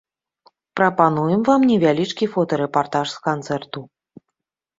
Прапануем вам невялічкі фотарэпартаж з канцэрту.